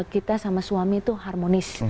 kita sama suami itu harmonis